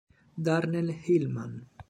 Darnell Hillman